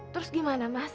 terus gimana mas